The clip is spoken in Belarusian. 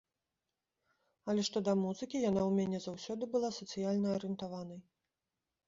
Але што да музыкі, яна ў мяне заўсёды была сацыяльна арыентаванай.